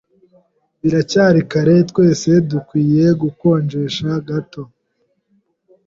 Biracyari kare. Twese dukwiye gukonjesha gato.